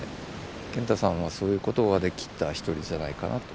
賢太さんはそういうことができた一人じゃないかなと。